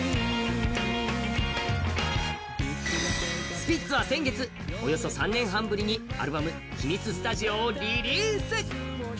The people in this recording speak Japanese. スピッツは先月、およそ３年半ぶりにアルバム「ひみつスタジオ」をリリース。